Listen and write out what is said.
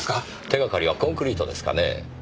手掛かりはコンクリートですかねぇ。